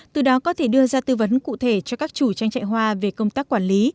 từ đó có thể đưa ra tư vấn cụ thể cho các chủ trang trại hoa về công tác quản lý